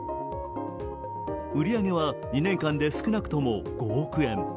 売り上げは２年間で少なくとも５億円。